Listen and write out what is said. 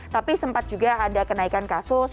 tapi sempat juga ada kenaikan kasus